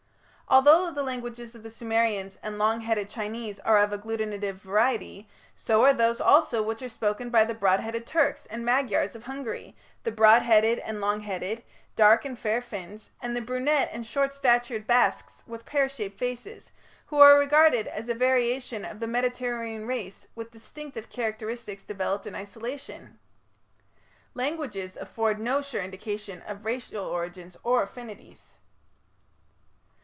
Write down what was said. Although the languages of the Sumerians and long headed Chinese are of the agglutinative variety, so are those also which are spoken by the broad headed Turks and Magyars of Hungary, the broad headed and long headed, dark and fair Finns, and the brunet and short statured Basques with pear shaped faces, who are regarded as a variation of the Mediterranean race with distinctive characteristics developed in isolation. Languages afford no sure indication of racial origins or affinities.